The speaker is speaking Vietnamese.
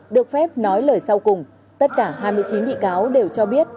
được phép nói lời sau cùng tất cả hai mươi chín bị cáo đều cho biết